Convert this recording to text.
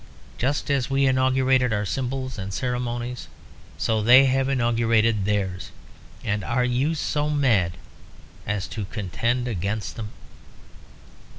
Just as we inaugurated our symbols and ceremonies, so they have inaugurated theirs; and are you so mad as to contend against them?